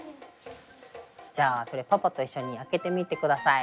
じゃあそれパパと一緒に開けてみてください。